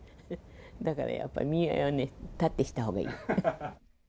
だからやっぱり見合いはね、立ってしたほうがいい。